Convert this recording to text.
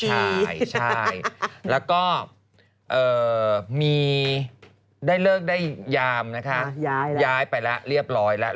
ใช่แล้วก็มีได้เลิกได้ยามนะคะย้ายไปแล้วเรียบร้อยแล้ว